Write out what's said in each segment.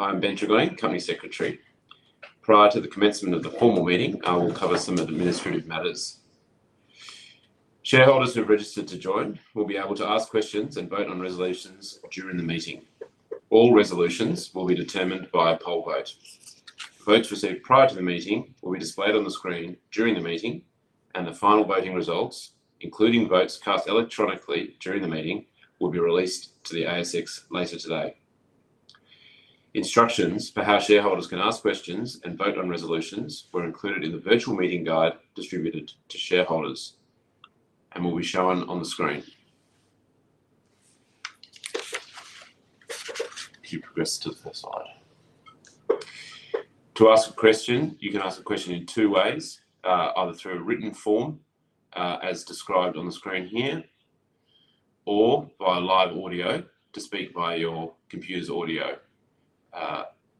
I'm Ben Tregoning, Company Secretary. Prior to the commencement of the formal meeting, I will cover some administrative matters. Shareholders who have registered to join will be able to ask questions and vote on resolutions during the meeting. All resolutions will be determined by a poll vote. Votes received prior to the meeting will be displayed on the screen during the meeting, and the final voting results, including votes cast electronically during the meeting, will be released to the ASX later today. Instructions for how shareholders can ask questions and vote on resolutions were included in the virtual meeting guide distributed to shareholders and will be shown on the screen. If you progress to the first slide. To ask a question, you can ask a question in two ways: either through a written form as described on the screen here, or via live audio to speak via your computer's audio.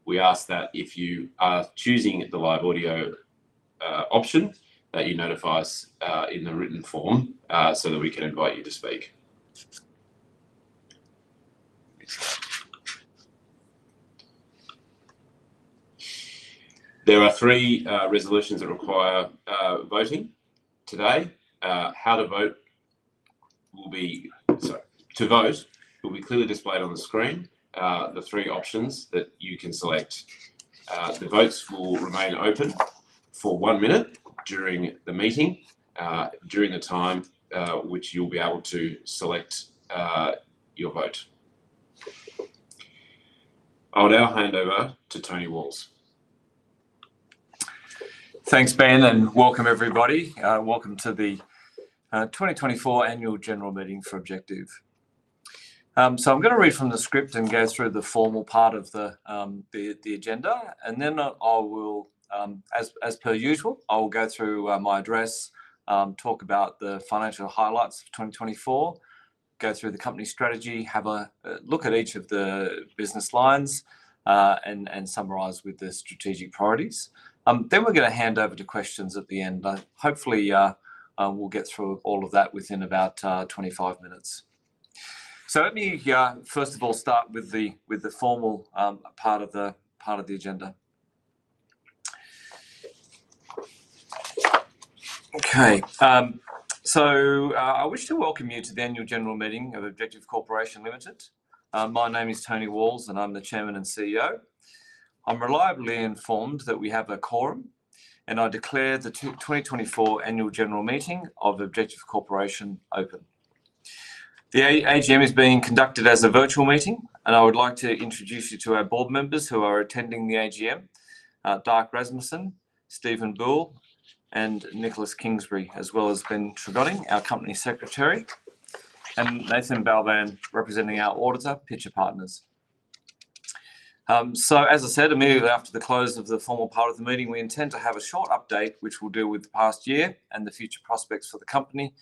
We ask that if you are choosing the live audio option, that you notify us in the written form so that we can invite you to speak. There are three resolutions that require voting today. Sorry, to vote will be clearly displayed on the screen, the three options that you can select. The votes will remain open for one minute during the meeting, during the time which you'll be able to select your vote. I'll now hand over to Tony Walls. Thanks, Ben, and welcome, everybody. Welcome to the 2024 Annual General Meeting for Objective. So I'm going to read from the script and go through the formal part of the agenda, and then I will, as per usual, I will go through my address, talk about the financial highlights for 2024, go through the company strategy, have a look at each of the business lines, and summarise with the strategic priorities. Then we're going to hand over to questions at the end. Hopefully, we'll get through all of that within about 25 minutes. So let me, first of all, start with the formal part of the agenda. Okay. So I wish to welcome you to the Annual General Meeting of Objective Corporation Limited. My name is Tony Walls, and I'm the Chairman and CEO. I'm reliably informed that we have a quorum, and I declare the 2024 Annual General Meeting of Objective Corporation open. The AGM is being conducted as a virtual meeting, and I would like to introduce you to our board members who are attending the AGM: Darc Rasmussen, Stephen Bull, and Nicholas Kingsbury, as well as Ben Tregoning, our Company Secretary, and Nathan Balban representing our auditor, Pitcher Partners. So, as I said, immediately after the close of the formal part of the meeting, we intend to have a short update which will deal with the past year and the future prospects for the company,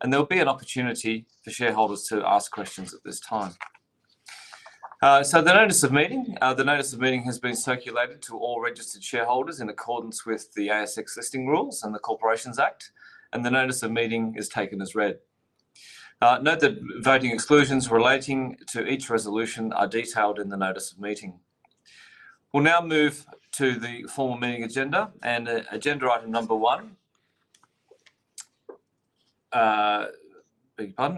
and there'll be an opportunity for shareholders to ask questions at this time. So the notice of meeting, the notice of meeting has been circulated to all registered shareholders in accordance with the ASX Listing Rules and the Corporations Act, and the notice of meeting is taken as read. Note that voting exclusions relating to each resolution are detailed in the notice of meeting. We'll now move to the formal meeting agenda and agenda item number one. Pardon?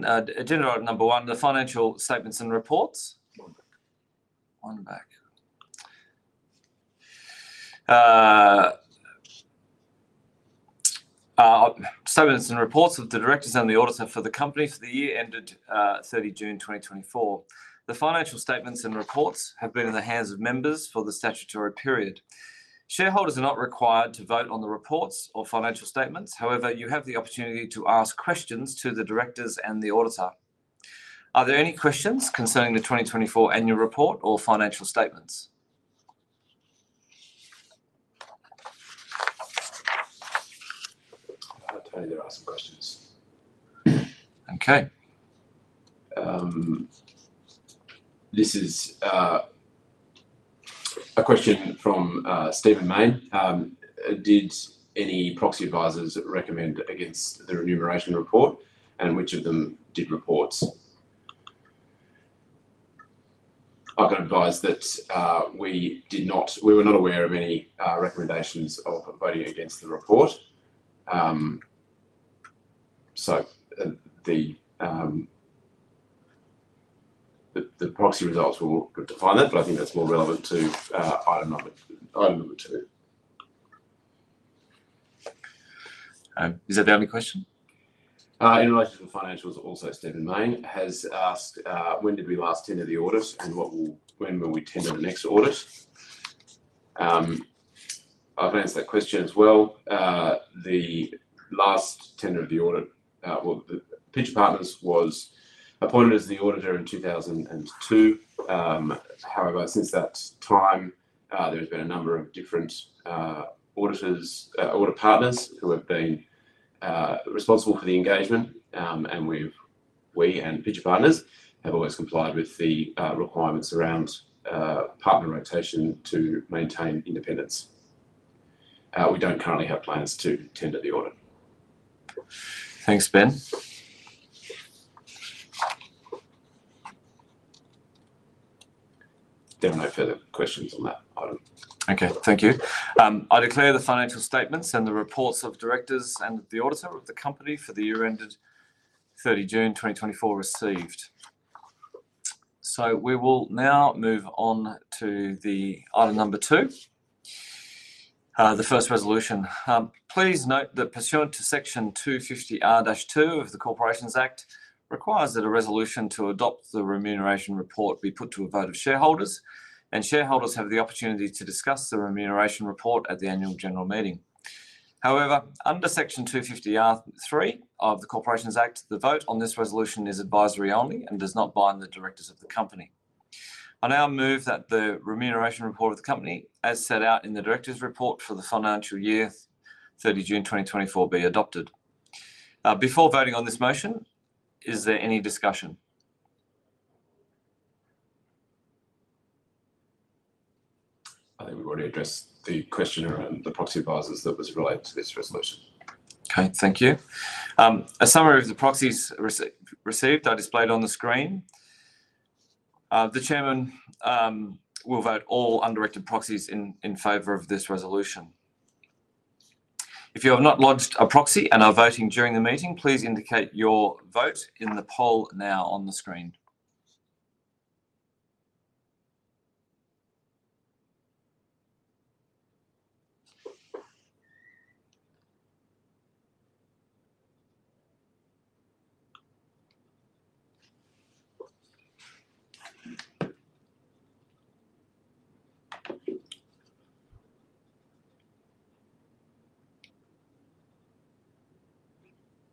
Agenda item number one, the financial statements and reports. One back. Statements and reports of the directors and the auditor for the company for the year ended 30 June 2024. The financial statements and reports have been in the hands of members for the statutory period. Shareholders are not required to vote on the reports or financial statements. However, you have the opportunity to ask questions to the directors and the auditor. Are there any questions concerning the 2024 annual report or financial statements? I'll turn to you to ask questions. Okay. This is a question from Stephen Mayne. Did any proxy advisors recommend against the remuneration report, and which of them did reports? I can advise that we did not, we were not aware of any recommendations of voting against the report. So the proxy results will define that, but I think that's more relevant to item number two. Is that the only question? In relation to the financials, also, Stephen Mayne has asked, when did we last tender the audit, and when will we tender the next audit? I've answered that question as well. The last tender of the audit, well, Pitcher Partners was appointed as the auditor in 2002. However, since that time, there has been a number of different auditors, audit partners who have been responsible for the engagement, and we and Pitcher Partners have always complied with the requirements around partner rotation to maintain independence. We don't currently have plans to tender the audit. Thanks, Ben. There are no further questions on that item. Okay. Thank you. I declare the financial statements and the reports of directors and the auditor of the company for the year ended 30 June 2024 received. So we will now move on to the item number two, the first resolution. Please note that pursuant to Section 250R(2) of the Corporations Act, it requires that a resolution to adopt the remuneration report be put to a vote of shareholders, and shareholders have the opportunity to discuss the remuneration report at the Annual General Meeting. However, under Section 250R(3) of the Corporations Act, the vote on this resolution is advisory only and does not bind the directors of the company. I now move that the remuneration report of the company, as set out in the directors' report for the financial year 30 June 2024, be adopted. Before voting on this motion, is there any discussion? I think we've already addressed the question around the proxy advisors that was related to this resolution. Okay. Thank you. A summary of the proxies received are displayed on the screen. The Chairman will vote all undirected proxies in favor of this resolution. If you have not lodged a proxy and are voting during the meeting, please indicate your vote in the poll now on the screen.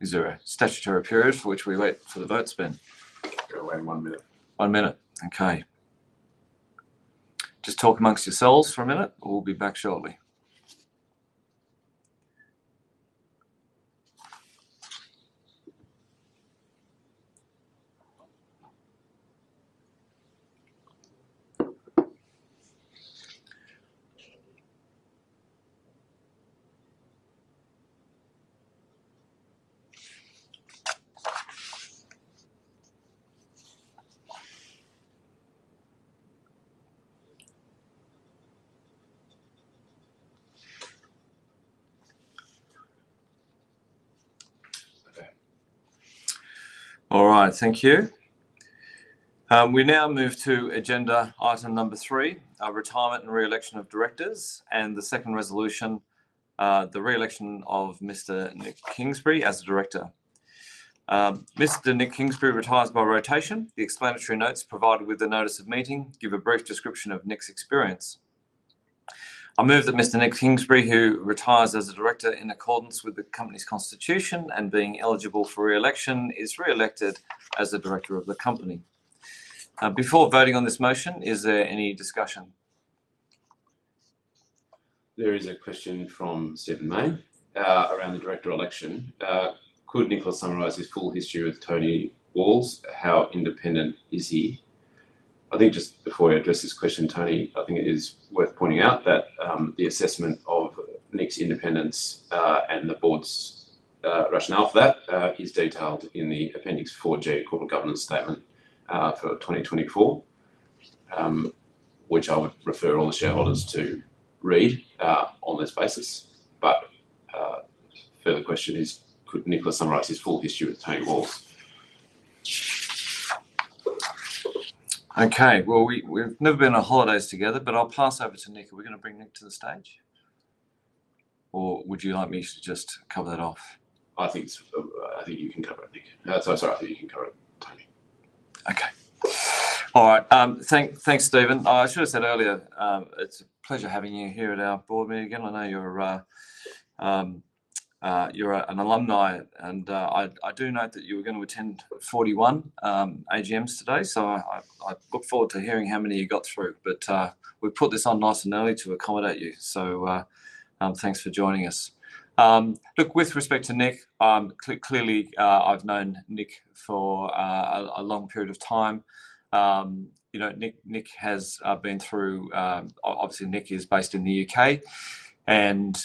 Is there a statutory period for which we wait for the votes, Ben? We're waiting one minute. One minute. Okay. Just talk among yourselves for a minute, or we'll be back shortly. All right. Thank you. We now move to agenda item number three, retirement and re-election of directors, and the second resolution, the re-election of Mr. Nick Kingsbury as a director. Mr. Nick Kingsbury retires by rotation. The explanatory notes provided with the notice of meeting give a brief description of Nick's experience. I move that Mr. Nick Kingsbury, who retires as a director in accordance with the company's constitution and being eligible for re-election, is re-elected as a director of the company. Before voting on this motion, is there any discussion? There is a question from Stephen Mayne around the director election. Could Nicholas summarise his full history with Tony Walls, how independent is he? I think just before you address this question, Tony, I think it is worth pointing out that the assessment of Nick's independence and the board's rationale for that is detailed in the Appendix 4G corporate governance statement for 2024, which I would refer all the shareholders to read on this basis. But further question is, could Nicholas summarise his full history with Tony Walls. Okay. Well, we've never been on holidays together, but I'll pass over to Nick. Are we going to bring Nick to the stage, or would you like me to just cover that off? I think you can cover it, Nick. Sorry, I think you can cover it, Tony. Okay. All right. Thanks, Stephen. I should have said earlier, it's a pleasure having you here at our board meeting again. I know you're an alumni, and I do know that you were going to attend 41 AGMs today, so I look forward to hearing how many you got through. But we put this on nice and early to accommodate you, so thanks for joining us. Look, with respect to Nick, clearly I've known Nick for a long period of time. Nick has been through, obviously, Nick is based in the U.K., and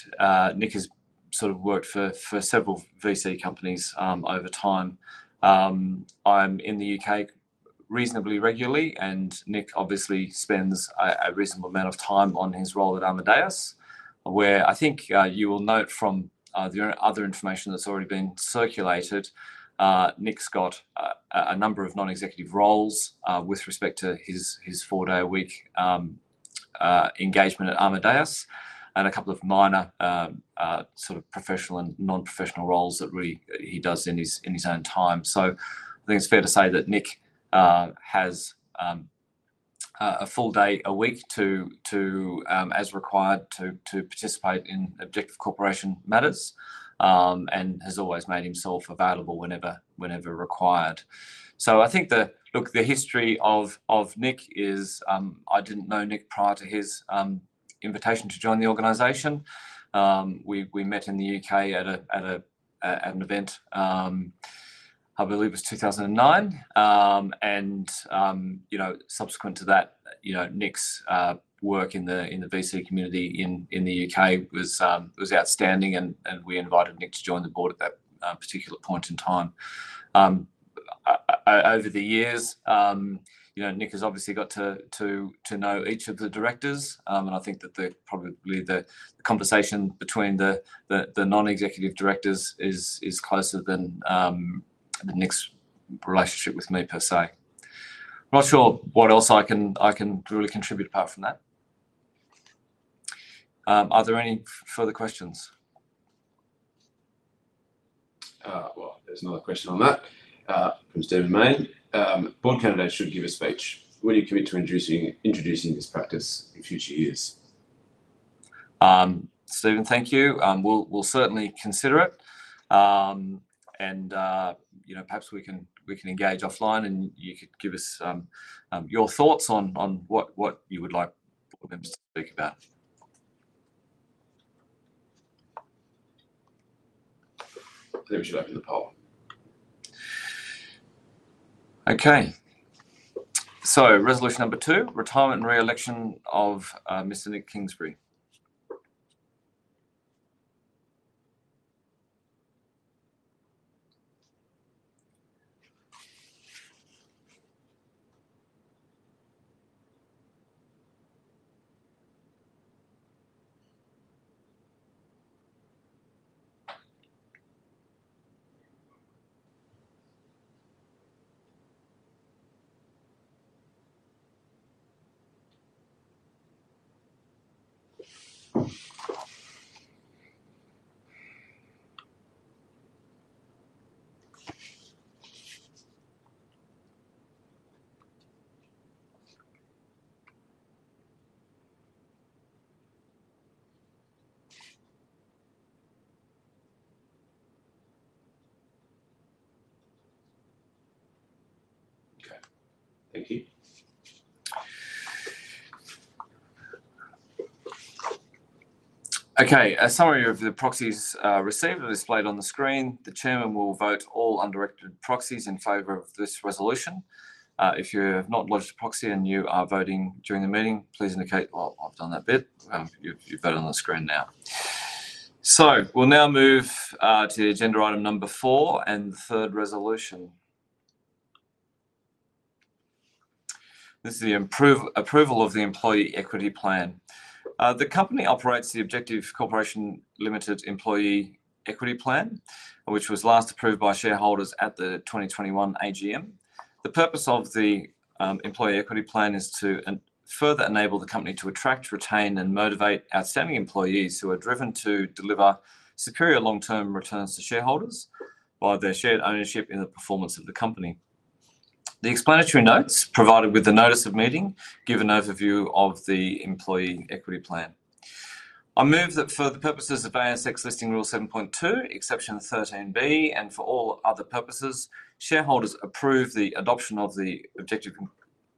Nick has sort of worked for several VC companies over time. I'm in the U.K. reasonably regularly, and Nick obviously spends a reasonable amount of time on his role at Amadeus, where I think you will note from the other information that's already been circulated, Nick's got a number of non-executive roles with respect to his four-day-a-week engagement at Amadeus and a couple of minor sort of professional and non-professional roles that he does in his own time. So I think it's fair to say that Nick has a full day a week as required to participate in Objective Corporation matters and has always made himself available whenever required. So I think the - look, the history of Nick is I didn't know Nick prior to his invitation to join the organization. We met in the UK at an event, I believe it was 2009, and subsequent to that, Nick's work in the VC community in the UK was outstanding, and we invited Nick to join the board at that particular point in time. Over the years, Nick has obviously got to know each of the directors, and I think that probably the conversation between the non-executive directors is closer than Nick's relationship with me per se. I'm not sure what else I can really contribute apart from that. Are there any further questions? There's another question on that from Stephen Mayne. Board candidates should give a speech. Will you commit to introducing this practice in future years? Stephen, thank you. We'll certainly consider it, and perhaps we can engage offline, and you could give us your thoughts on what you would like board members to speak about. I think we should open the poll. Okay, so resolution number two, retirement and re-election of Mr. Nick Kingsbury. Okay. Thank you. Okay. A summary of the proxies received are displayed on the screen. The Chairman will vote all undirected proxies in favor of this resolution. If you have not lodged a proxy and you are voting during the meeting, please indicate. Well, I've done that bit. You've voted on the screen now. So we'll now move to agenda item number four and the third resolution. This is the approval of the Employee Equity Plan. The company operates the Objective Corporation Limited Employee Equity Plan, which was last approved by shareholders at the 2021 AGM. The purpose of the Employee Equity Plan is to further enable the company to attract, retain, and motivate outstanding employees who are driven to deliver superior long-term returns to shareholders by their shared ownership in the performance of the company. The explanatory notes provided with the notice of meeting give an overview of the Employee Equity Plan. I move that for the purposes of ASX Listing Rule 7.2, Exception 13(b), and for all other purposes, shareholders approve the adoption of the Objective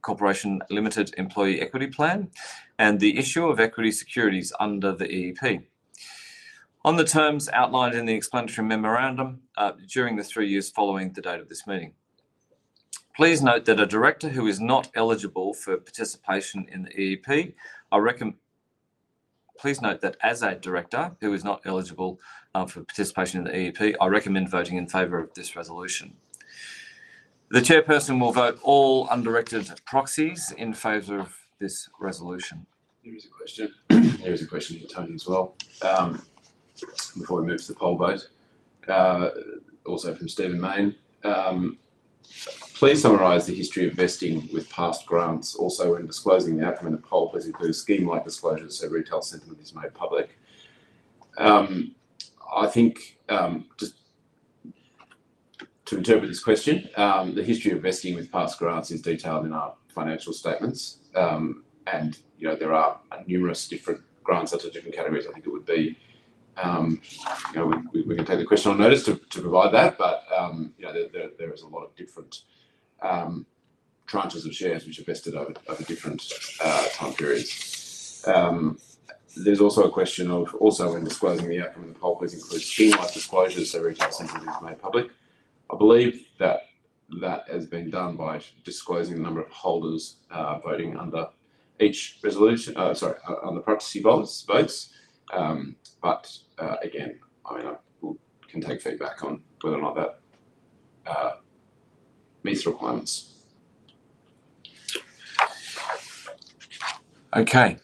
Corporation Limited Employee Equity Plan and the issue of equity securities under the EEP on the terms outlined in the explanatory memorandum during the three years following the date of this meeting. Please note that a director who is not eligible for participation in the EEP, please note that as a director who is not eligible for participation in the EEP, I recommend voting in favor of this resolution. The chairperson will vote all undirected proxies in favor of this resolution. There is a question. There is a question for Tony as well before we move to the poll vote, also from Stephen Mayne. Please summarise the history of vesting with past grants. Also, when disclosing the outcome of the poll, please include scheme-like disclosures so retail sentiment is made public. I think just to interpret this question, the history of vesting with past grants is detailed in our financial statements, and there are numerous different grants under different categories. I think it would be, we can take the question on notice to provide that, but there is a lot of different tranches of shares which are vested over different time periods. There's also a question of also when disclosing the outcome of the poll, please include scheme-like disclosures so retail sentiment is made public. I believe that that has been done by disclosing the number of holders voting under each resolution, sorry, under proxy votes. But again, I mean, I can take feedback on whether or not that meets the requirements. Okay.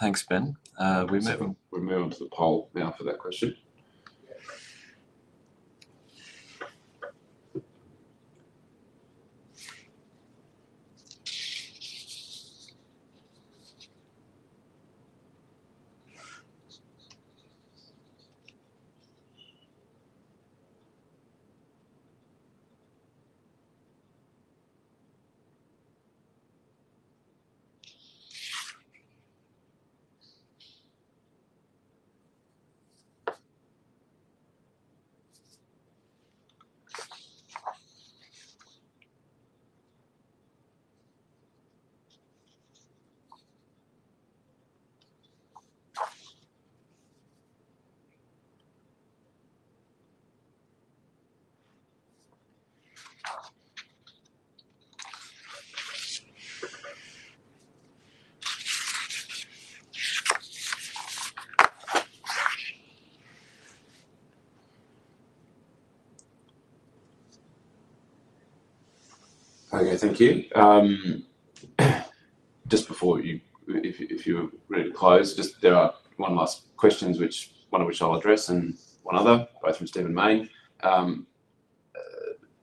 Thanks, Ben. We move on to the poll now for that question. Okay. Thank you. Just before you, if you're ready to close, just there are one last question, one of which I'll address and one other, both from Stephen Mayne.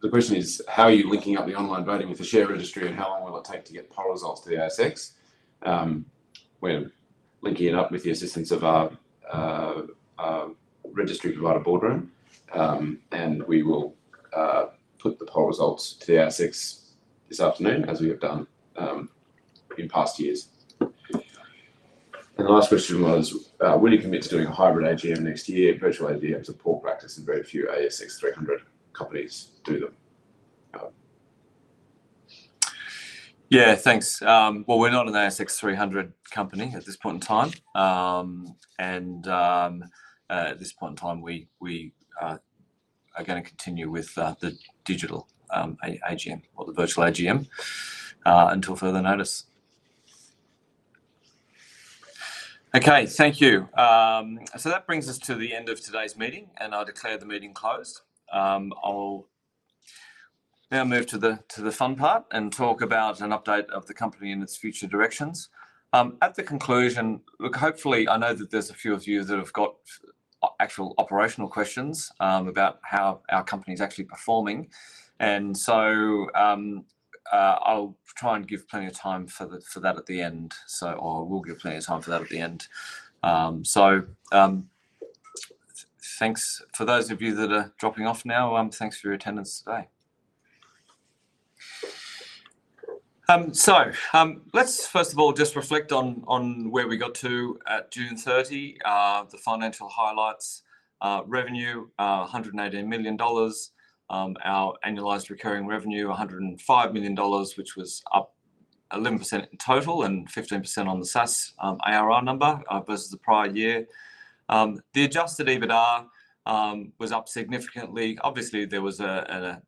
The question is, how are you linking up the online voting with the share registry, and how long will it take to get poll results to the ASX? We're linking it up with the assistance of our registry provider, Boardroom, and we will put the poll results to the ASX this afternoon as we have done in past years. The last question was, will you commit to doing a hybrid AGM next year? Virtual AGMs are poor practice, and very few ASX 300 companies do them. Yeah. Thanks. Well, we're not an ASX 300 company at this point in time, and at this point in time, we are going to continue with the digital AGM or the virtual AGM until further notice. Okay. Thank you. So that brings us to the end of today's meeting, and I declare the meeting closed. I'll now move to the fun part and talk about an update of the company and its future directions. At the conclusion, look, hopefully, I know that there's a few of you that have got actual operational questions about how our company is actually performing, and so I'll try and give plenty of time for that at the end, or we'll give plenty of time for that at the end. So thanks. For those of you that are dropping off now, thanks for your attendance today. Let's, first of all, just reflect on where we got to at June 30, the financial highlights. Revenue, 118 million dollars. Our annualized recurring revenue, 105 million dollars, which was up 11% in total and 15% on the SaaS ARR number versus the prior year. The adjusted EBITDA was up significantly. Obviously, there was an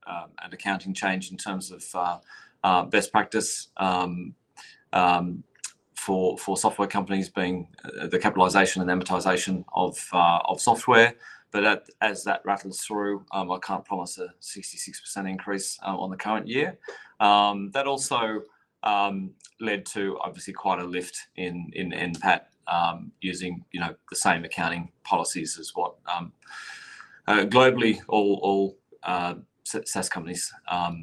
accounting change in terms of best practice for software companies being the capitalization and amortization of software, but as that rattles through, I can't promise a 66% increase on the current year. That also led to, obviously, quite a lift in NPAT using the same accounting policies as what globally all SaaS companies are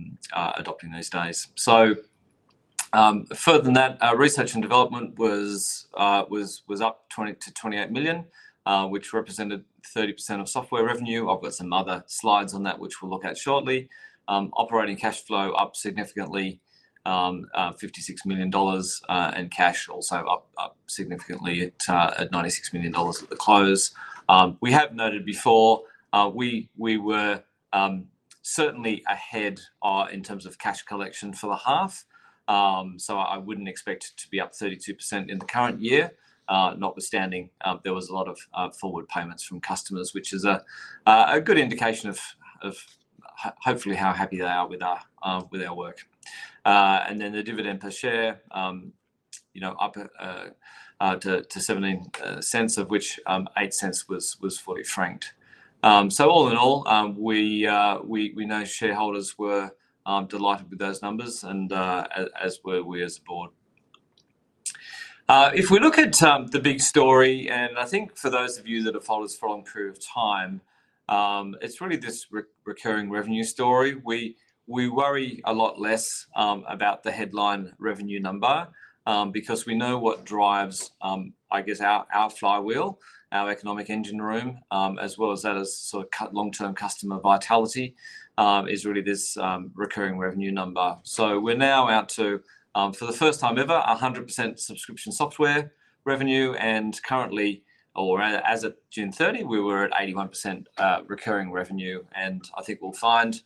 adopting these days. Further than that, research and development was up to 28 million, which represented 30% of software revenue. I've got some other slides on that which we'll look at shortly. Operating cash flow up significantly, 56 million dollars, and cash also up significantly at 96 million dollars at the close. We have noted before we were certainly ahead in terms of cash collection for the half, so I wouldn't expect it to be up 32% in the current year, notwithstanding there was a lot of forward payments from customers, which is a good indication of hopefully how happy they are with our work, and then the dividend per share up to 0.17, of which 0.08 was fully franked. All in all, we know shareholders were delighted with those numbers, and as were we as a board. If we look at the big story, and I think for those of you that have followed us for a long period of time, it's really this recurring revenue story. We worry a lot less about the headline revenue number because we know what drives, I guess, our flywheel, our economic engine room, as well as that as sort of long-term customer vitality, is really this recurring revenue number. So we're now out to, for the first time ever, 100% subscription software revenue, and currently, or as of June 30, we were at 81% recurring revenue, and I think we'll find,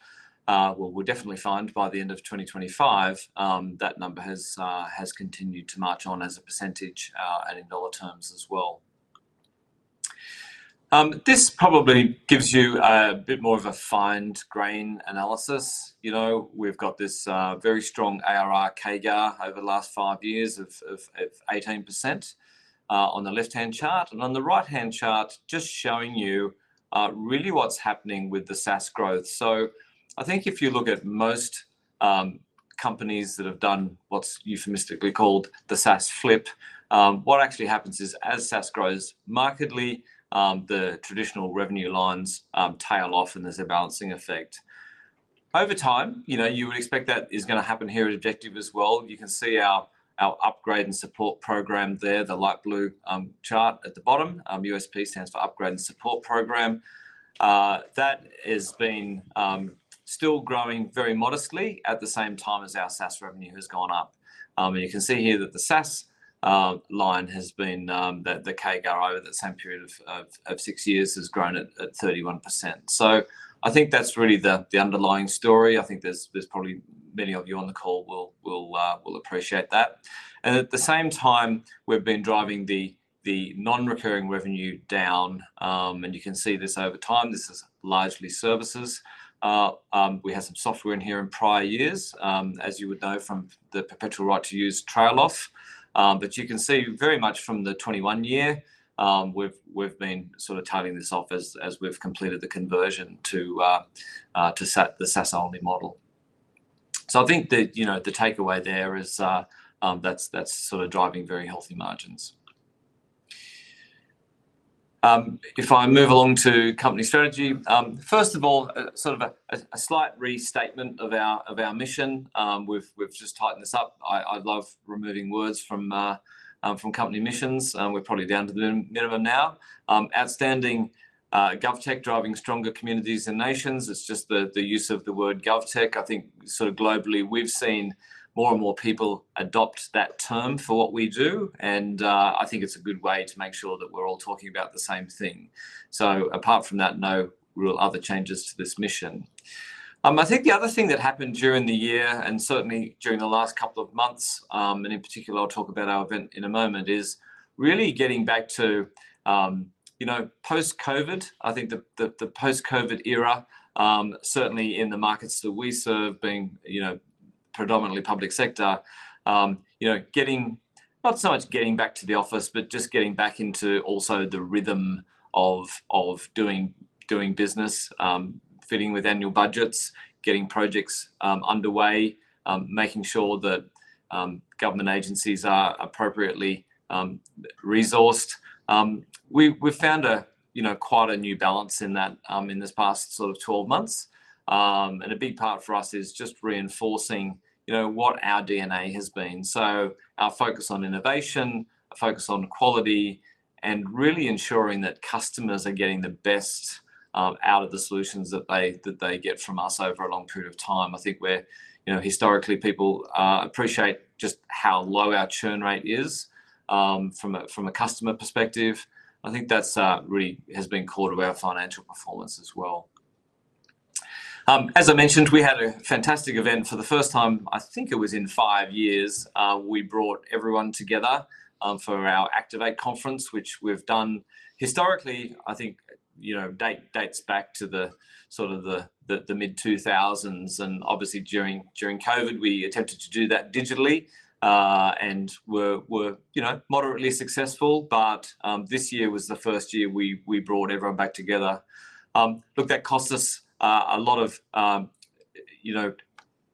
well, we'll definitely find by the end of 2025 that number has continued to march on as a percentage and in dollar terms as well. This probably gives you a bit more of a fine-grained analysis. We've got this very strong ARR/CAGR over the last five years of 18% on the left-hand chart, and on the right-hand chart, just showing you really what's happening with the SaaS growth. So I think if you look at most companies that have done what's euphemistically called the SaaS flip, what actually happens is as SaaS grows markedly, the traditional revenue lines tail off, and there's a balancing effect. Over time, you would expect that is going to happen here at Objective as well. You can see our upgrade and support program there, the light blue chart at the bottom. USP stands for Upgrade and Support Program. That has been still growing very modestly at the same time as our SaaS revenue has gone up. And you can see here that the SaaS line has been, the CAGR over that same period of six years has grown at 31%. So I think that's really the underlying story. I think there's probably many of you on the call will appreciate that. And at the same time, we've been driving the non-recurring revenue down, and you can see this over time. This is largely services. We had some software in here in prior years, as you would know from the perpetual right to use trail off, but you can see very much from the 2021 year, we've been sort of tidying this off as we've completed the conversion to the SaaS-only model. So I think the takeaway there is that's sort of driving very healthy margins. If I move along to company strategy, first of all, sort of a slight restatement of our mission. We've just tightened this up. I love removing words from company missions. We're probably down to the minimum now. Outstanding GovTech driving stronger communities and nations. It's just the use of the word GovTech. I think sort of globally, we've seen more and more people adopt that term for what we do, and I think it's a good way to make sure that we're all talking about the same thing. So apart from that, no real other changes to this mission. I think the other thing that happened during the year and certainly during the last couple of months, and in particular, I'll talk about our event in a moment, is really getting back to post-COVID. I think the post-COVID era, certainly in the markets that we serve, being predominantly public sector, not so much getting back to the office, but just getting back into also the rhythm of doing business, fitting with annual budgets, getting projects underway, making sure that government agencies are appropriately resourced. We've found quite a new balance in this past sort of 12 months, and a big part for us is just reinforcing what our DNA has been. So our focus on innovation, our focus on quality, and really ensuring that customers are getting the best out of the solutions that they get from us over a long period of time. I think where historically people appreciate just how low our churn rate is from a customer perspective, I think that really has been core to our financial performance as well. As I mentioned, we had a fantastic event for the first time in five years. We brought everyone together for our Activate Conference, which we've done historically; I think it dates back to sort of the mid-2000s. Obviously, during COVID, we attempted to do that digitally and were moderately successful, but this year was the first year we brought everyone back together. Look, that cost us a lot of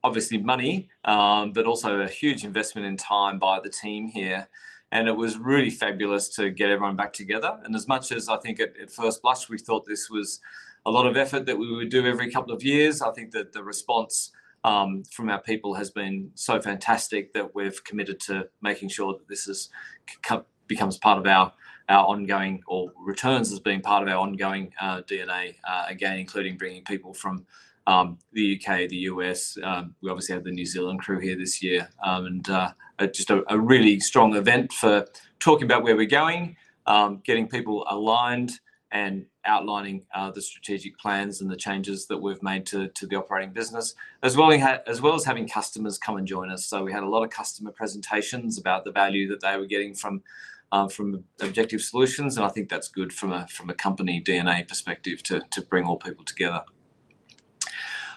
obviously money, but also a huge investment in time by the team here, and it was really fabulous to get everyone back together. As much as I think at first blush, we thought this was a lot of effort that we would do every couple of years, I think that the response from our people has been so fantastic that we've committed to making sure that this becomes part of our ongoing or returns as being part of our ongoing DNA again, including bringing people from the U.K., the U.S. We obviously have the New Zealand crew here this year, and just a really strong event for talking about where we're going, getting people aligned, and outlining the strategic plans and the changes that we've made to the operating business, as well as having customers come and join us. So we had a lot of customer presentations about the value that they were getting from Objective Solutions, and I think that's good from a company DNA perspective to bring all people together.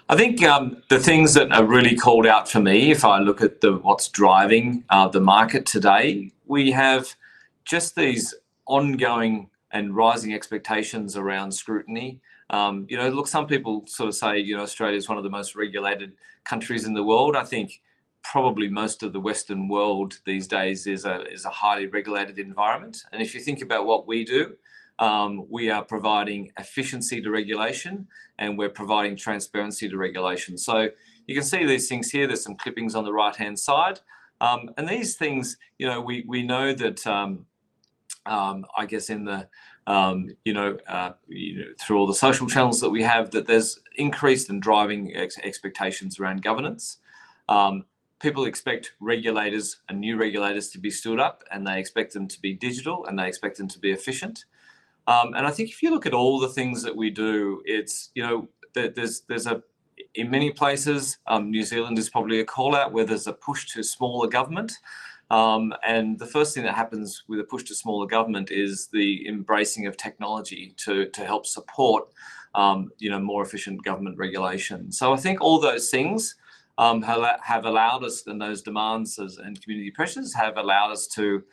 I think the things that are really called out for me, if I look at what's driving the market today, we have just these ongoing and rising expectations around scrutiny. Look, some people sort of say Australia is one of the most regulated countries in the world. I think probably most of the Western world these days is a highly regulated environment, and if you think about what we do, we are providing efficiency to regulation, and we're providing transparency to regulation. So you can see these things here. There's some clippings on the right-hand side, and these things, we know that, I guess, and through all the social channels that we have, that there's increasing and driving expectations around governance. People expect regulators and new regulators to be stood up, and they expect them to be digital, and they expect them to be efficient. And I think if you look at all the things that we do, it's in many places. New Zealand is probably a callout where there's a push to smaller government, and the first thing that happens with a push to smaller government is the embracing of technology to help support more efficient government regulation. So I think all those things have allowed us, and those demands and community pressures have allowed us to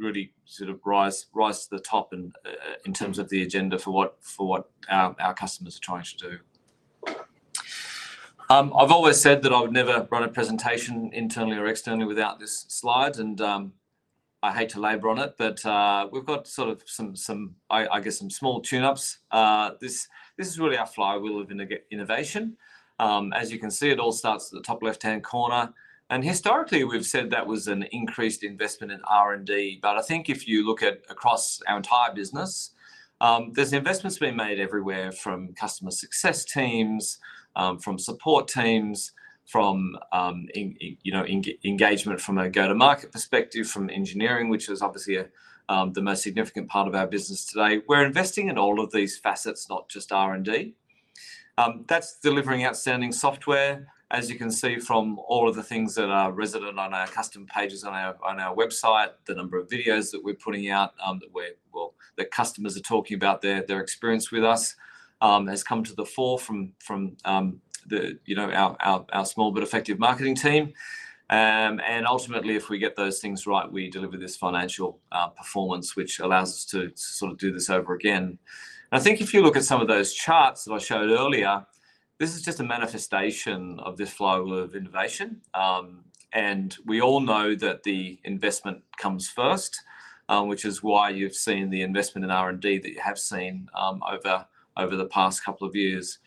really sort of rise to the top in terms of the agenda for what our customers are trying to do. I've always said that I've never run a presentation internally or externally without this slide, and I hate to labor on it, but we've got sort of some, I guess, some small tune-ups. This is really our flywheel of innovation. As you can see, it all starts at the top left-hand corner, and historically, we've said that was an increased investment in R&D, but I think if you look across our entire business, there's investments being made everywhere from customer success teams, from support teams, from engagement from a go-to-market perspective, from engineering, which is obviously the most significant part of our business today. We're investing in all of these facets, not just R&D. That's delivering outstanding software, as you can see from all of the things that are resident on our custom pages on our website, the number of videos that we're putting out, that customers are talking about their experience with us has come to the fore from our small but effective marketing team. And ultimately, if we get those things right, we deliver this financial performance, which allows us to sort of do this over again. And I think if you look at some of those charts that I showed earlier, this is just a manifestation of this flywheel of innovation, and we all know that the investment comes first, which is why you've seen the investment in R&D that you have seen over the past couple of years.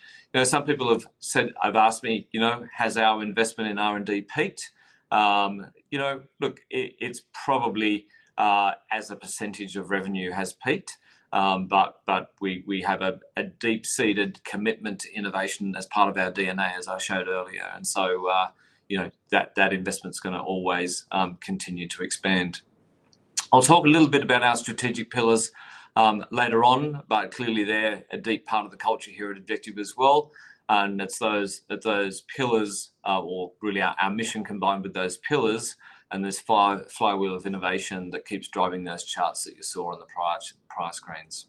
Some people have asked me, "Has our investment in R&D peaked?" Look, it's probably as a percentage of revenue has peaked, but we have a deep-seated commitment to innovation as part of our DNA, as I showed earlier, and so that investment's going to always continue to expand. I'll talk a little bit about our strategic pillars later on, but clearly, they're a deep part of the culture here at Objective as well, and it's those pillars, or really our mission combined with those pillars, and this flywheel of innovation that keeps driving those charts that you saw on the prior screens.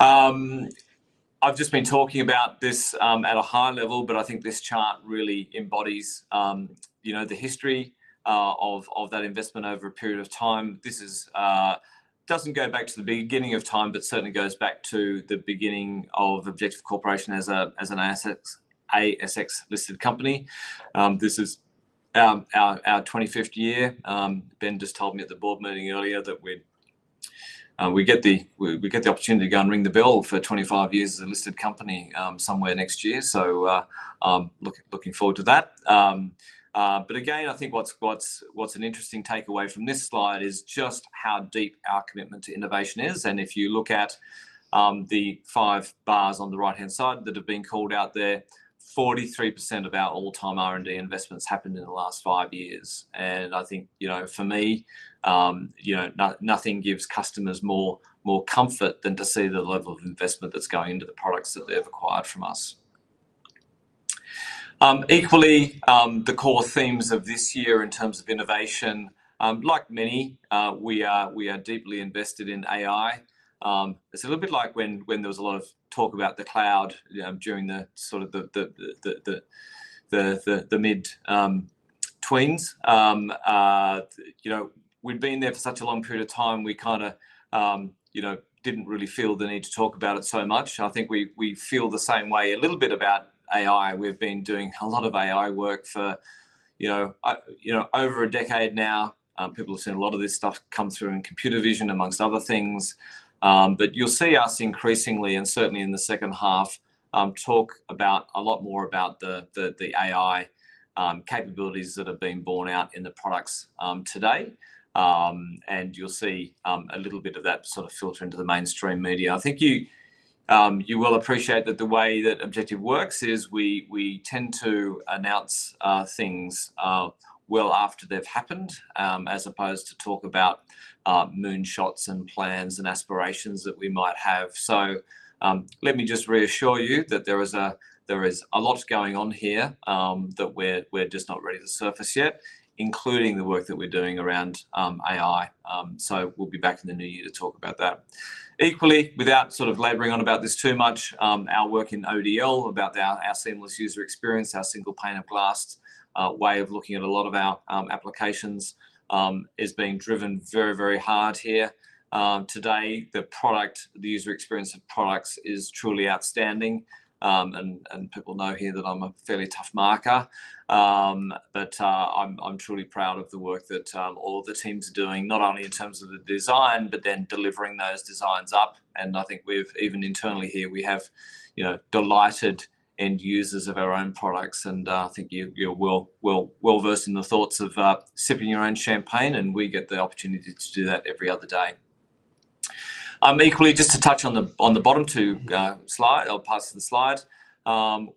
I've just been talking about this at a high level, but I think this chart really embodies the history of that investment over a period of time. This doesn't go back to the beginning of time, but certainly goes back to the beginning of Objective Corporation as an ASX-listed company. This is our 25th year. Ben just told me at the board meeting earlier that we get the opportunity to go and ring the bell for 25 years as a listed company somewhere next year, so looking forward to that. But again, I think what's an interesting takeaway from this slide is just how deep our commitment to innovation is. And if you look at the five bars on the right-hand side that have been called out there, 43% of our all-time R&D investments happened in the last five years, and I think for me, nothing gives customers more comfort than to see the level of investment that's going into the products that they've acquired from us. Equally, the core themes of this year in terms of innovation, like many, we are deeply invested in AI. It's a little bit like when there was a lot of talk about the cloud during the sort of the mid-teens. We've been there for such a long period of time, we kind of didn't really feel the need to talk about it so much. I think we feel the same way a little bit about AI. We've been doing a lot of AI work for over a decade now. People have seen a lot of this stuff come through in computer vision, among other things, but you'll see us increasingly, and certainly in the second half, talk a lot more about the AI capabilities that have been borne out in the products today, and you'll see a little bit of that sort of filter into the mainstream media. I think you will appreciate that the way that Objective works is we tend to announce things well after they've happened, as opposed to talk about moonshots and plans and aspirations that we might have. So let me just reassure you that there is a lot going on here that we're just not ready to surface yet, including the work that we're doing around AI. So we'll be back in the new year to talk about that. Equally, without sort of laboring on about this too much, our work in ODL about our seamless user experience, our single pane of glass way of looking at a lot of our applications is being driven very, very hard here. Today, the product, the user experience of products is truly outstanding, and people know here that I'm a fairly tough marker, but I'm truly proud of the work that all of the teams are doing, not only in terms of the design, but then delivering those designs up, and I think we've even internally here, we have delighted end users of our own products, and I think you're well versed in the thoughts of sipping your own champagne, and we get the opportunity to do that every other day. Equally, just to touch on the bottom two slides, I'll pass the slide.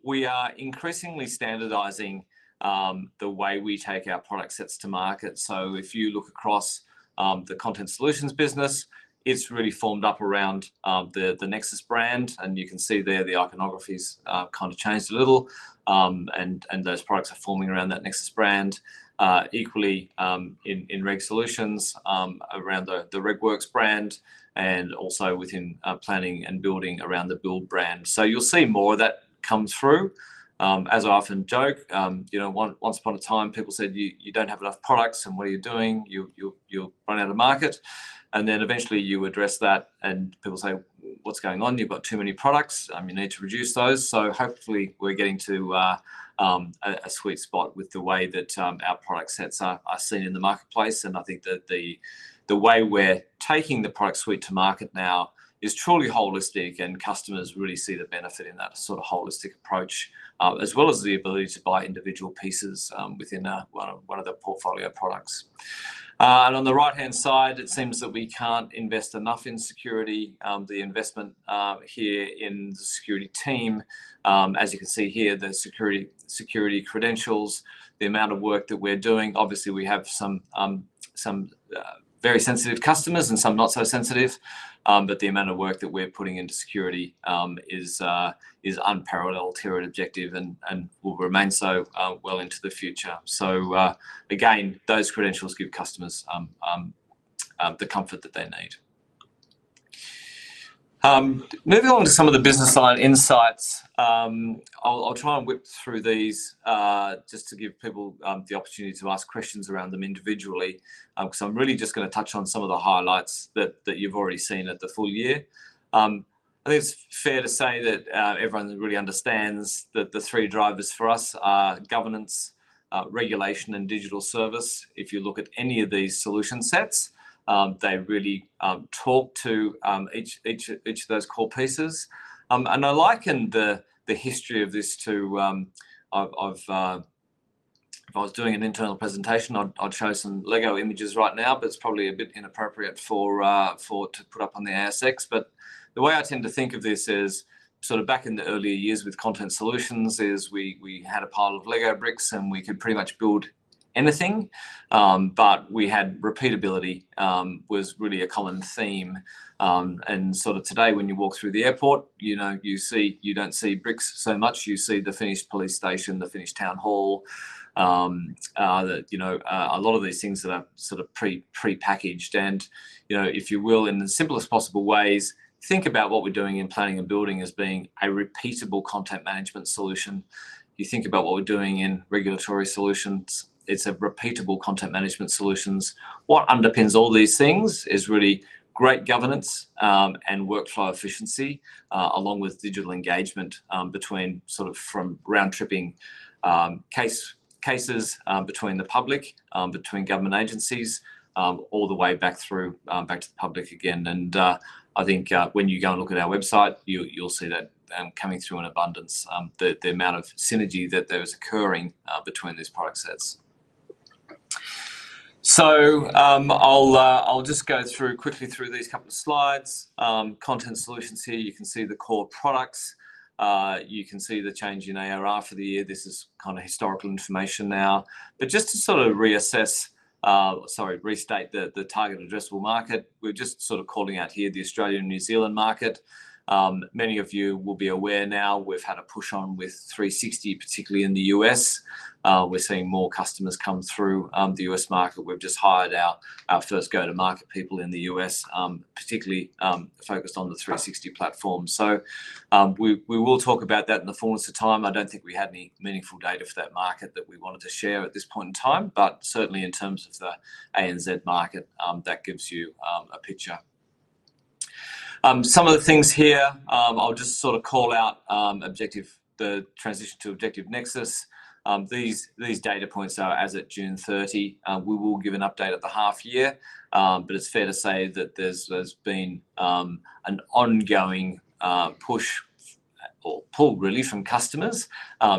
We are increasingly standardizing the way we take our product sets to market. So if you look across the Content Solutions business, it's really formed up around the Nexus brand, and you can see there the iconographies kind of changed a little, and those products are forming around that Nexus brand. Equally, in Reg Solutions, around the RegWorks brand, and also within planning and building around the Build brand. So you'll see more of that come through. As I often joke, once upon a time, people said, "You don't have enough products, and what are you doing? You're running out of market." And then eventually, you address that, and people say, "What's going on? You've got too many products. You need to reduce those." So hopefully, we're getting to a sweet spot with the way that our product sets are seen in the marketplace, and I think that the way we're taking the product suite to market now is truly holistic, and customers really see the benefit in that sort of holistic approach, as well as the ability to buy individual pieces within one of the portfolio products. And on the right-hand side, it seems that we can't invest enough in security. The investment here in the security team, as you can see here, the security credentials, the amount of work that we're doing, obviously, we have some very sensitive customers and some not so sensitive, but the amount of work that we're putting into security is unparalleled here at Objective and will remain so well into the future. So again, those credentials give customers the comfort that they need. Moving on to some of the business line insights, I'll try and whip through these just to give people the opportunity to ask questions around them individually, because I'm really just going to touch on some of the highlights that you've already seen at the full year. I think it's fair to say that everyone really understands that the three drivers for us are governance, regulation, and digital service. If you look at any of these solution sets, they really talk to each of those core pieces. And I liken the history of this to if I was doing an internal presentation, I'd show some Lego images right now, but it's probably a bit inappropriate to put up on the ASX. But the way I tend to think of this is sort of back in the earlier years with Content Solutions is we had a pile of Lego bricks, and we could pretty much build anything, but we had repeatability was really a common theme. And sort of today, when you walk through the app store, you don't see bricks so much. You see the finished police station, the finished town hall, a lot of these things that are sort of pre-packaged. And if you will, in the simplest possible ways, think about what we're doing in Planning and Building as being a repeatable content management solution. You think about what we're doing in Regulatory Solutions. It's a repeatable content management solutions. What underpins all these things is really great governance and workflow efficiency, along with digital engagement from round-tripping cases between the public, between government agencies, all the way back to the public again. And I think when you go and look at our website, you'll see that coming through in abundance, the amount of synergy that is occurring between these product sets. So I'll just go quickly through these couple of slides. Content Solutions here, you can see the core products. You can see the change in ARR for the year. This is kind of historical information now. But just to sort of reassess, sorry, restate the target addressable market, we're just sort of calling out here the Australia and New Zealand market. Many of you will be aware now we've had a push on with 360, particularly in the U.S. We're seeing more customers come through the U.S. market. We've just hired our first go-to-market people in the U.S., particularly focused on the Objective 360 platform. So we will talk about that in the fullness of time. I don't think we had any meaningful data for that market that we wanted to share at this point in time, but certainly in terms of the ANZ market, that gives you a picture. Some of the things here, I'll just sort of call out the transition to Objective Nexus. These data points are as of June 30. We will give an update at the half year, but it's fair to say that there's been an ongoing push or pull really from customers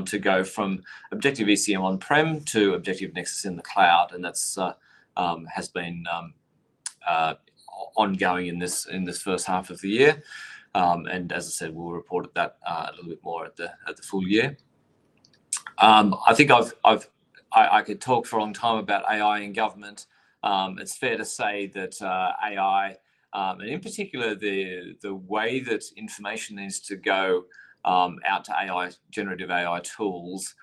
to go from Objective ECM on-prem to Objective Nexus in the cloud, and that has been ongoing in this first half of the year, and as I said, we'll report that a little bit more at the full year. I think I could talk for a long time about AI and government. It's fair to say that AI, and in particular, the way that information needs to go out to generative AI tools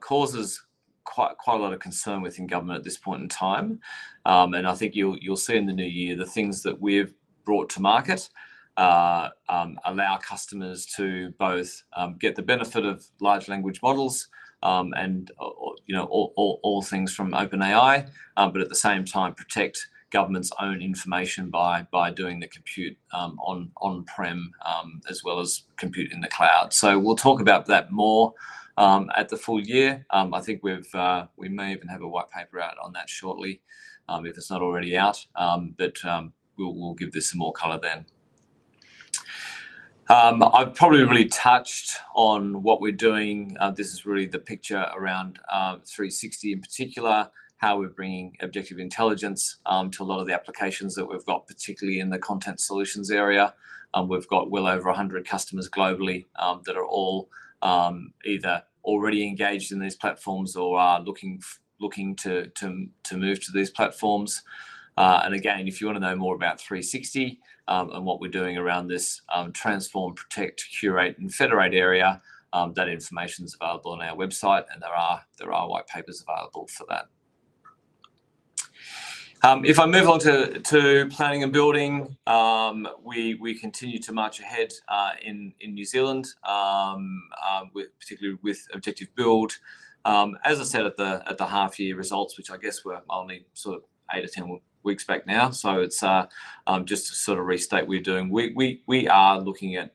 causes quite a lot of concern within government at this point in time. And I think you'll see in the new year the things that we've brought to market allow customers to both get the benefit of large language models and all things from OpenAI, but at the same time protect government's own information by doing the compute on-prem as well as compute in the cloud. So we'll talk about that more at the full year. I think we may even have a white paper out on that shortly if it's not already out, but we'll give this some more color then. I've probably really touched on what we're doing. This is really the picture around 360 in particular, how we're bringing objective intelligence to a lot of the applications that we've got, particularly in the content solutions area. We've got well over 100 customers globally that are all either already engaged in these platforms or are looking to move to these platforms, and again, if you want to know more about 360 and what we're doing around this transform, protect, curate, and federate area, that information's available on our website, and there are white papers available for that. If I move on to planning and building, we continue to march ahead in New Zealand, particularly with Objective Build. As I said, at the half-year results, which I guess were only sort of eight or 10 weeks back now, so just to sort of restate, we are looking at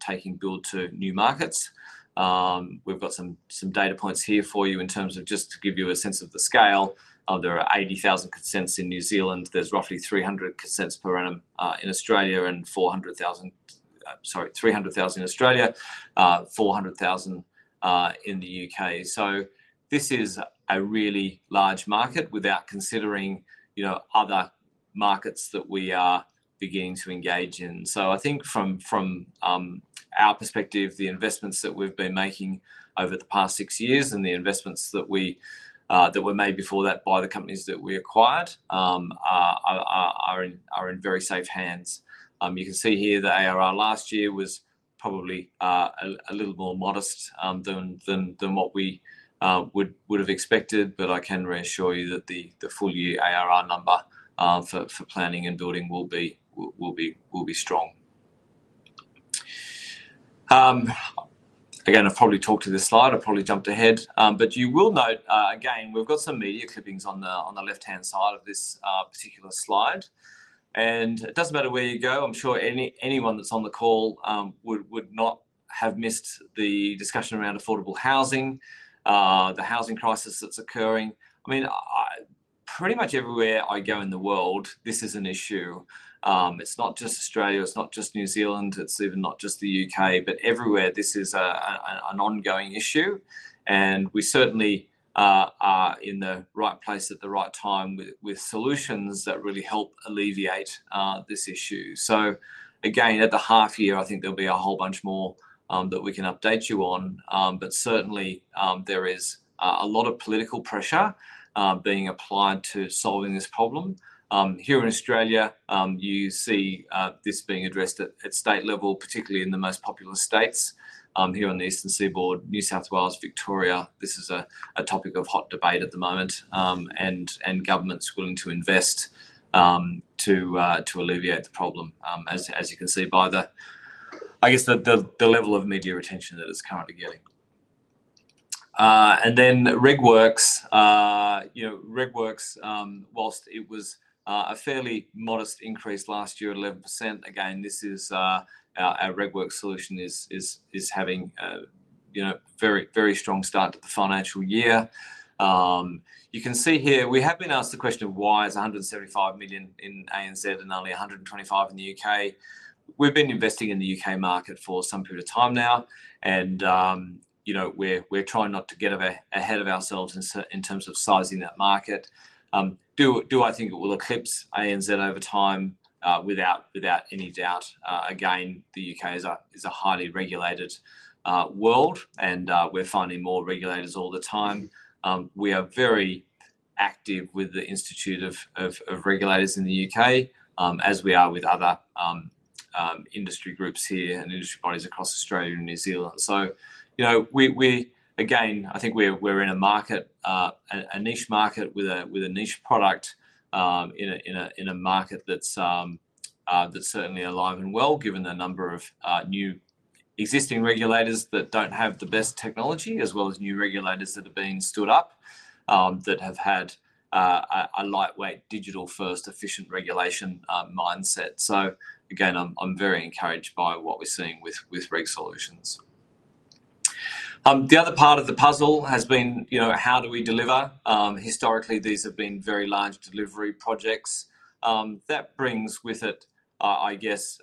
taking Build to new markets. We've got some data points here for you in terms of just to give you a sense of the scale. There are 80,000 consents in New Zealand. There's roughly 300 consents per annum in Australia and 400,000 in Australia, 400,000 in the UK. So this is a really large market without considering other markets that we are beginning to engage in. So I think from our perspective, the investments that we've been making over the past six years and the investments that were made before that by the companies that we acquired are in very safe hands. You can see here the ARR last year was probably a little more modest than what we would have expected, but I can reassure you that the full year ARR number for planning and building will be strong. Again, I've probably talked to this slide. I've probably jumped ahead, but you will note, again, we've got some media clippings on the left-hand side of this particular slide, and it doesn't matter where you go. I'm sure anyone that's on the call would not have missed the discussion around affordable housing, the housing crisis that's occurring. I mean, pretty much everywhere I go in the world, this is an issue. It's not just Australia. It's not just New Zealand. It's even not just the UK, but everywhere this is an ongoing issue, and we certainly are in the right place at the right time with solutions that really help alleviate this issue. So again, at the half year, I think there'll be a whole bunch more that we can update you on, but certainly, there is a lot of political pressure being applied to solving this problem. Here in Australia, you see this being addressed at state level, particularly in the most popular states. Here on the Eastern Seaboard, New South Wales, Victoria, this is a topic of hot debate at the moment, and governments willing to invest to alleviate the problem, as you can see by the, I guess, the level of media attention that it's currently getting. Then RegWorks, while it was a fairly modest increase last year at 11%, again, our RegWorks solution is having a very strong start to the financial year. You can see here we have been asked the question of why is 175 million in ANZ and only 125 million in the U.K. We've been investing in the U.K. market for some period of time now, and we're trying not to get ahead of ourselves in terms of sizing that market. Do I think it will eclipse ANZ over time? Without any doubt, again, the U.K. is a highly regulated world, and we're finding more regulators all the time. We are very active with the Institute of Regulators in the U.K., as we are with other industry groups here and industry bodies across Australia and New Zealand. So again, I think we're in a market, a niche market with a niche product in a market that's certainly alive and well, given the number of new existing regulators that don't have the best technology, as well as new regulators that have been stood up that have had a lightweight, digital-first, efficient regulation mindset. So again, I'm very encouraged by what we're seeing with Regulatory Solutions. The other part of the puzzle has been how do we deliver? Historically, these have been very large delivery projects. That brings with it, I guess,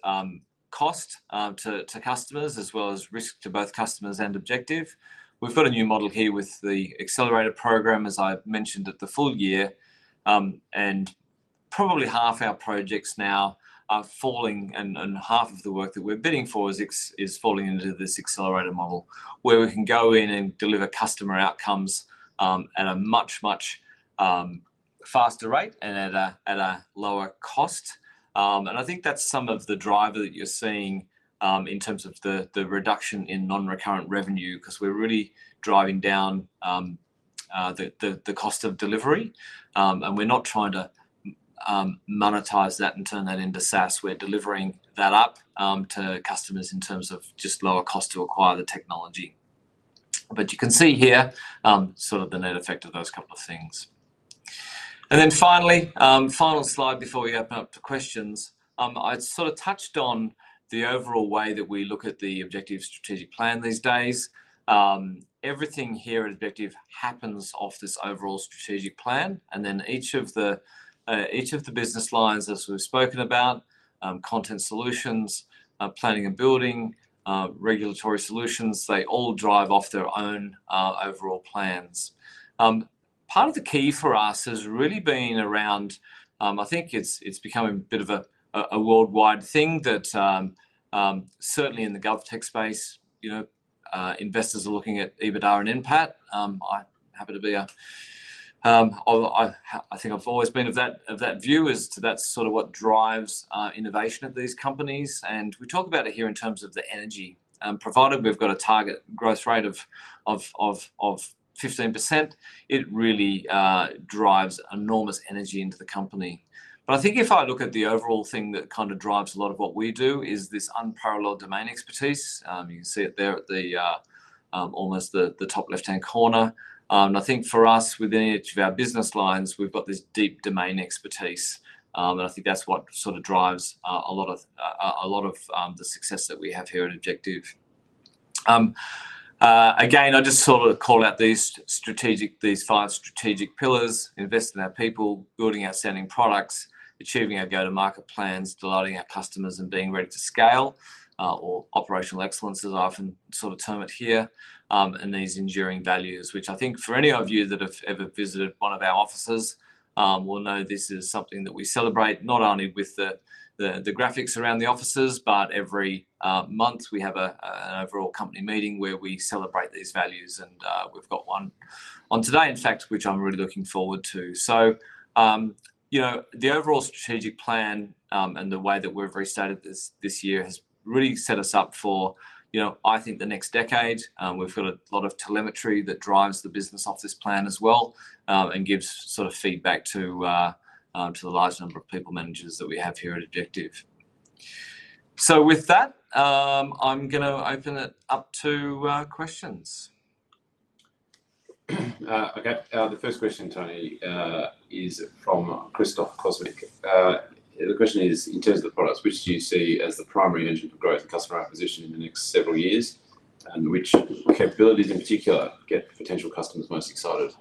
cost to customers, as well as risk to both customers and Objective. We've got a new model here with the Accelerator Program, as I mentioned, at the full year, and probably half our projects now are falling, and half of the work that we're bidding for is falling into this accelerator model where we can go in and deliver customer outcomes at a much, much faster rate and at a lower cost, and I think that's some of the driver that you're seeing in terms of the reduction in non-recurrent revenue, because we're really driving down the cost of delivery, and we're not trying to monetize that and turn that into SaaS. We're delivering that up to customers in terms of just lower cost to acquire the technology, but you can see here sort of the net effect of those couple of things. And then finally, final slide before we open up to questions. I'd sort of touched on the overall way that we look at the Objective strategic plan these days. Everything here at Objective happens off this overall strategic plan, and then each of the business lines, as we've spoken about, content solutions, planning and building, regulatory solutions, they all drive off their own overall plans. Part of the key for us has really been around. I think it's becoming a bit of a worldwide thing that certainly in the GovTech space, investors are looking at EBITDA and impact. I happen to be a I think I've always been of that view as to that's sort of what drives innovation at these companies. And we talk about it here in terms of the energy provided. We've got a target growth rate of 15%. It really drives enormous energy into the company. But I think if I look at the overall thing that kind of drives a lot of what we do is this unparalleled domain expertise. You can see it there at almost the top left-hand corner. And I think for us, within each of our business lines, we've got this deep domain expertise, and I think that's what sort of drives a lot of the success that we have here at Objective. Again, I just sort of call out these five strategic pillars: invest in our people, building outstanding products, achieving our go-to-market plans, delighting our customers, and being ready to scale, or operational excellence, as I often sort of term it here, and these enduring values, which I think for any of you that have ever visited one of our offices will know this is something that we celebrate not only with the graphics around the offices, but every month we have an overall company meeting where we celebrate these values. And we've got one on today, in fact, which I'm really looking forward to. So the overall strategic plan and the way that we've restarted this year has really set us up for, I think, the next decade. We've got a lot of telemetry that drives the business off this plan as well and gives sort of feedback to the large number of people managers that we have here at Objective. So with that, I'm going to open it up to questions. Okay. The first question, Tony, is from Christoph Cosmic. The question is, in terms of the products, which do you see as the primary engine for growth and customer acquisition in the next several years, and which capabilities in particular get potential customers most excited?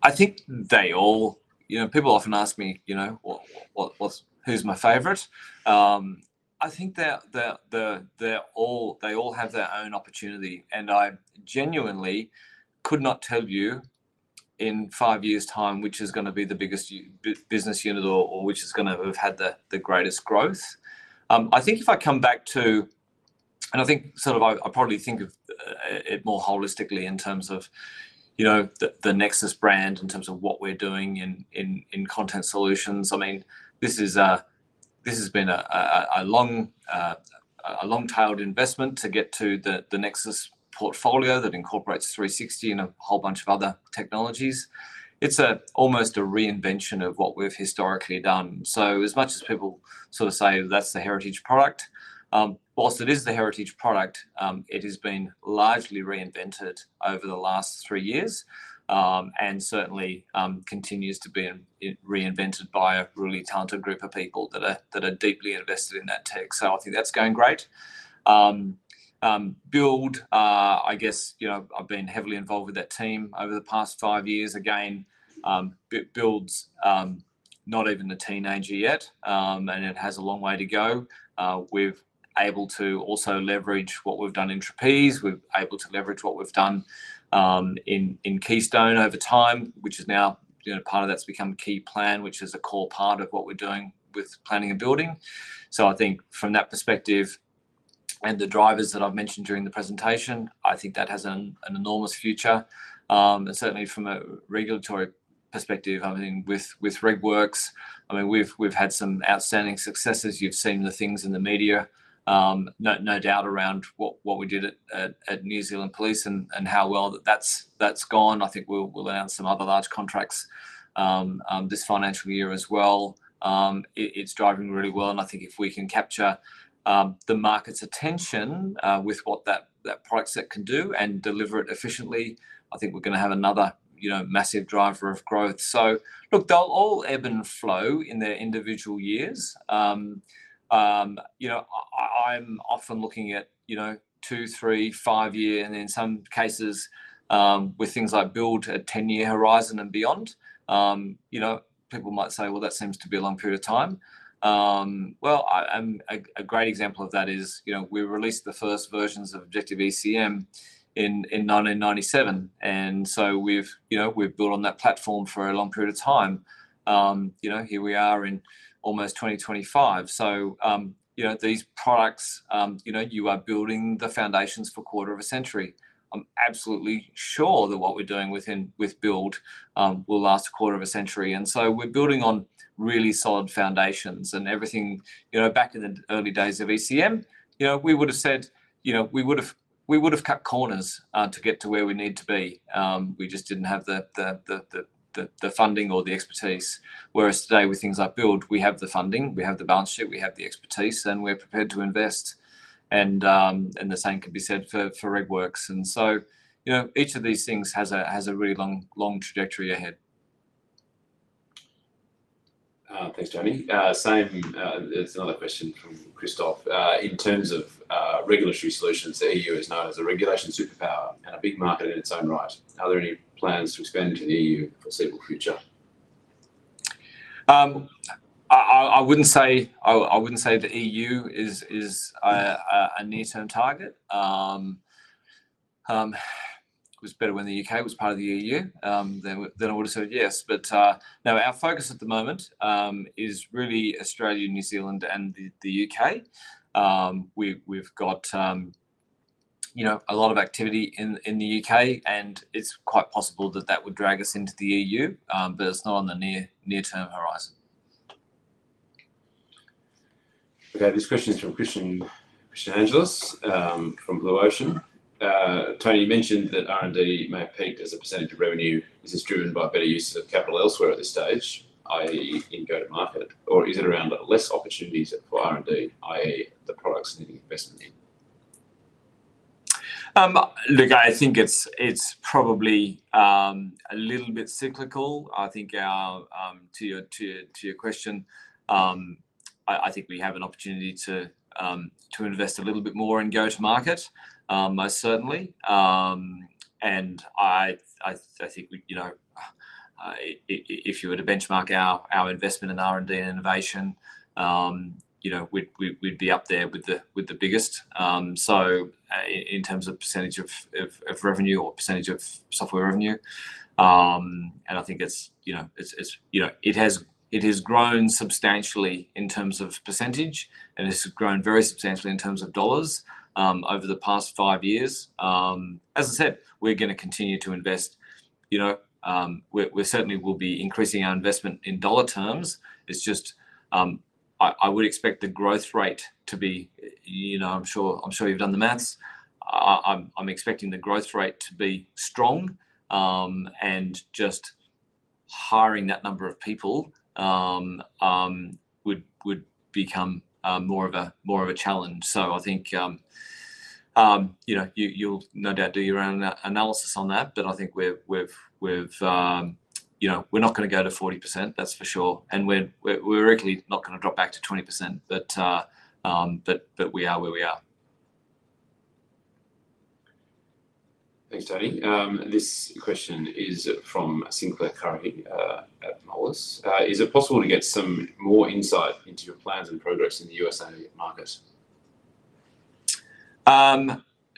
I think they all. People often ask me, "Who's my favorite?" I think they all have their own opportunity, and I genuinely could not tell you in five years' time which is going to be the biggest business unit or which is going to have had the greatest growth. I think if I come back to it and I think sort of I probably think of it more holistically in terms of the Nexus brand, in terms of what we're doing in content solutions. I mean, this has been a long-tailed investment to get to the Nexus portfolio that incorporates 360 and a whole bunch of other technologies. It's almost a reinvention of what we've historically done. So as much as people sort of say that's the heritage product, while it is the heritage product, it has been largely reinvented over the last three years and certainly continues to be reinvented by a really talented group of people that are deeply invested in that tech. So I think that's going great. Build, I guess, I've been heavily involved with that team over the past five years. Again, Build's not even a teenager yet, and it has a long way to go. We're able to also leverage what we've done in Trapeze. We're able to leverage what we've done in Keystone over time, which is now part of that. That's become Keyplan, which is a core part of what we're doing with planning and building. So I think from that perspective and the drivers that I've mentioned during the presentation, I think that has an enormous future. And certainly, from a regulatory perspective, I mean, with RegWorks, I mean, we've had some outstanding successes. You've seen the things in the media. No doubt around what we did at New Zealand Police and how well that's gone. I think we'll announce some other large contracts this financial year as well. It's driving really well. And I think if we can capture the market's attention with what that product set can do and deliver it efficiently, I think we're going to have another massive driver of growth. So look, they'll all ebb and flow in their individual years. I'm often looking at two, three, five-year, and in some cases with things like Build, a 10-year horizon and beyond. People might say, "Well, that seems to be a long period of time." Well, a great example of that is we released the first versions of Objective ECM in 1997. And so we've built on that platform for a long period of time. Here we are in almost 2025. So these products, you are building the foundations for a quarter of a century. I'm absolutely sure that what we're doing with Build will last a quarter of a century. And so we're building on really solid foundations. And everything back in the early days of ECM, we would have said we would have cut corners to get to where we need to be. We just didn't have the funding or the expertise. Whereas today, with things like Build, we have the funding. We have the balance sheet. We have the expertise, and we're prepared to invest. And the same can be said for RegWorks. And so each of these things has a really long trajectory ahead. Thanks, Tony. Same, it's another question from Christoph. In terms of regulatory solutions, the EU is known as a regulation superpower and a big market in its own right. Are there any plans to expand into the EU for the foreseeable future? I wouldn't say the EU is a near-term target. It was better when the U.K. was part of the EU than I would have said yes. But no, our focus at the moment is really Australia, New Zealand, and the UK. We've got a lot of activity in the UK, and it's quite possible that that would drag us into the EU, but it's not on the near-term horizon. Okay. This question is from Christian Angelis from Blue Ocean. Tony, you mentioned that R&D may have peaked as a percentage of revenue. Is this driven by better use of capital elsewhere at this stage, i.e., in go-to-market, or is it around less opportunities for R&D, i.e., the products needing investment in? Look, I think it's probably a little bit cyclical. I think to your question, I think we have an opportunity to invest a little bit more in go-to-market, most certainly. And I think if you were to benchmark our investment in R&D and innovation, we'd be up there with the biggest. So in terms of percentage of revenue or percentage of software revenue, and I think it has grown substantially in terms of percentage, and it's grown very substantially in terms of dollars over the past five years. As I said, we're going to continue to invest. We certainly will be increasing our investment in dollar terms. It's just I would expect the growth rate to be. I'm sure you've done the math. I'm expecting the growth rate to be strong, and just hiring that number of people would become more of a challenge. So I think you'll no doubt do your own analysis on that, but I think we're not going to go to 40%, that's for sure. And we're really not going to drop back to 20%, but we are where we are. Thanks, Tony. This question is from Sinclair Currie at MA Financial. Is it possible to get some more insight into your plans and progress in the U.S. market?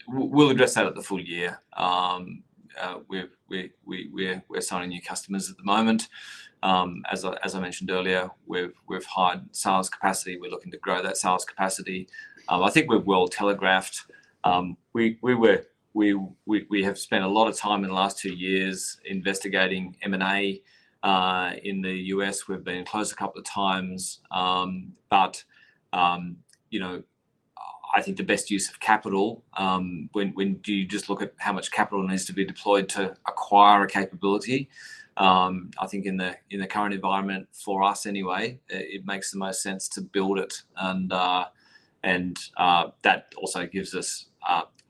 We'll address that at the full year. We're signing new customers at the moment. As I mentioned earlier, we've hired sales capacity. We're looking to grow that sales capacity. I think we're well telegraphed. We have spent a lot of time in the last two years investigating M&A in the U.S. We've been closed a couple of times, but I think the best use of capital when do you just look at how much capital needs to be deployed to acquire a capability. I think in the current environment, for us anyway, it makes the most sense to build it, and that also gives us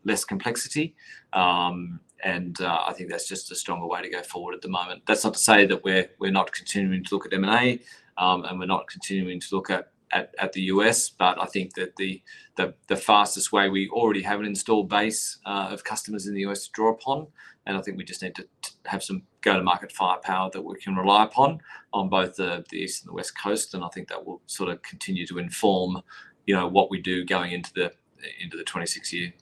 less complexity, and I think that's just a stronger way to go forward at the moment. That's not to say that we're not continuing to look at M&A and we're not continuing to look at the U.S., but I think that the fastest way we already have an installed base of customers in the U.S. to draw upon, and I think we just need to have some go-to-market firepower that we can rely upon on both the East and the West Coast. And I think that will sort of continue to inform what we do going into the 2026 year.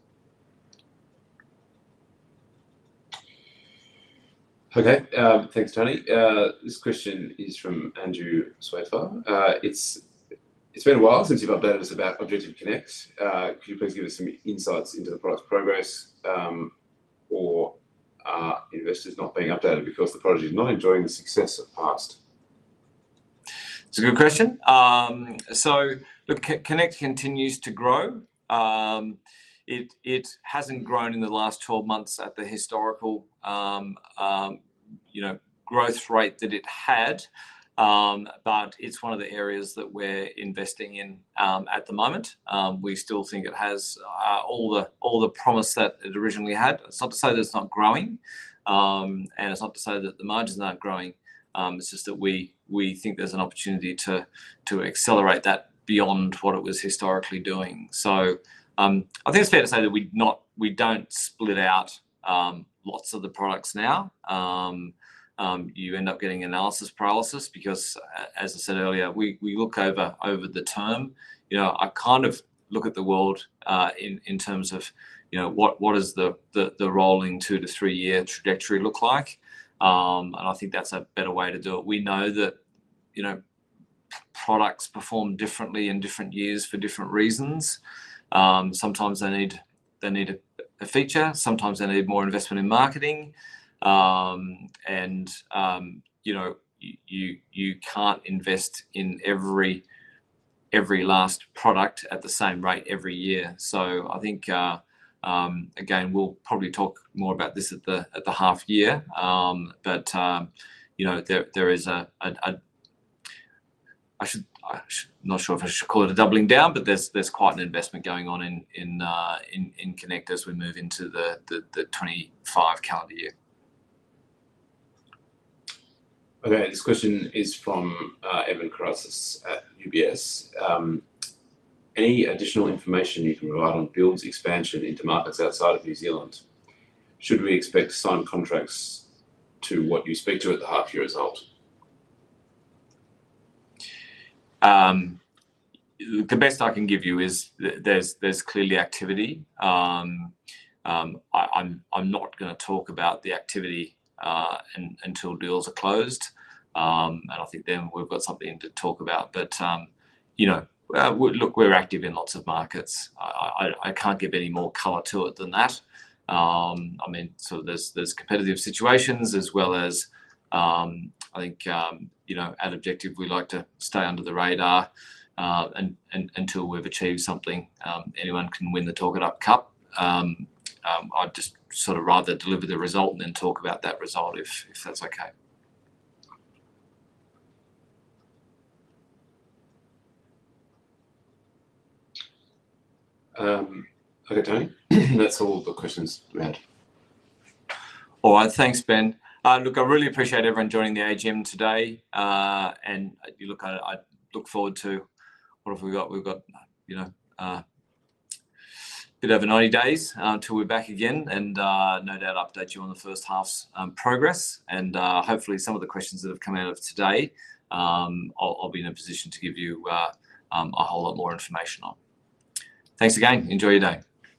Okay. Thanks, Tony. This question is from Andrew Swaffer. It's been a while since you've updated us about Objective Connect. Could you please give us some insights into the product's progress or investors not being updated because the product is not enjoying the success of past? It's a good question. So look, Connect continues to grow. It hasn't grown in the last 12 months at the historical growth rate that it had, but it's one of the areas that we're investing in at the moment. We still think it has all the promise that it originally had. It's not to say that it's not growing, and it's not to say that the margin's not growing. It's just that we think there's an opportunity to accelerate that beyond what it was historically doing. So I think it's fair to say that we don't split out lots of the products now. You end up getting analysis paralysis because, as I said earlier, we look over the term. I kind of look at the world in terms of what does the rolling two- to three-year trajectory look like, and I think that's a better way to do it. We know that products perform differently in different years for different reasons. Sometimes they need a feature. Sometimes they need more investment in marketing. And you can't invest in every last product at the same rate every year. So I think, again, we'll probably talk more about this at the half year, but there is a- I'm not sure if I should call it a doubling down, but there's quite an investment going on in Connect as we move into the 25 calendar year. Okay. This question is from Evan Karatzas at UBS. Any additional information you can provide on Build's expansion into markets outside of New Zealand? Should we expect to sign contracts to what you speak to at the half-year result? The best I can give you is there's clearly activity. I'm not going to talk about the activity until deals are closed, and I think then we've got something to talk about. But look, we're active in lots of markets. I can't give any more color to it than that. I mean, so there's competitive situations as well as I think at Objective, we like to stay under the radar until we've achieved something. Anyone can win the Talk It Up Cup. I'd just sort of rather deliver the result and then talk about that result if that's okay. Okay, Tony. That's all the questions we had. All right. Thanks, Ben. Look, I really appreciate everyone joining the AGM today. And look, I look forward to what have we got? We've got a bit over 90 days until we're back again. And no doubt update you on the first half's progress. And hopefully, some of the questions that have come out of today, I'll be in a position to give you a whole lot more information on. Thanks again. Enjoy your day.